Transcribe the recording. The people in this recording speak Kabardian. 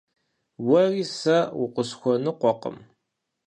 Уэри сэ укъысхуэныкъуэкъым.